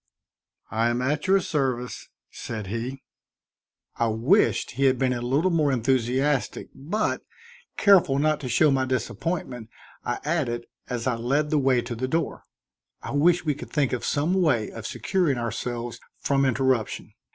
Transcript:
"I am at your service," said he. I wished he had been a little more enthusiastic, but, careful not to show my disappointment, I added, as I led the way to the door: "I wish we could think of some way of securing ourselves from interruption.